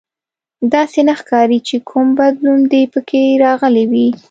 داسې نه ښکاري چې کوم بدلون دې پکې راغلی وي